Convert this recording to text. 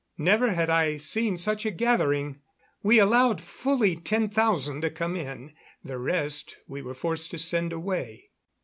Never had I seen such a gathering. We allowed fully ten thousand to come in; the rest we were forced to send away.